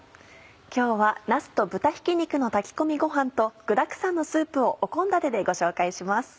今日はなすと豚ひき肉の炊き込みごはんと具だくさんのスープをお献立でご紹介します。